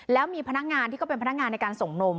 แล้วมีพนักงานที่เขาเป็นพนักงานในการส่งนม